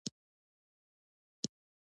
څنګه کولی شم په کور کې قهوه جوړه کړم